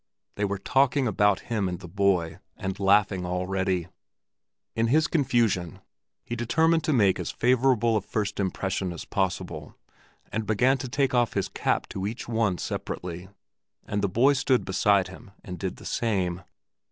They were talking about him and the boy, and laughing already. In his confusion he determined to make as favorable a first impression as possible, and began to take off his cap to each one separately; and the boy stood beside him and did the same.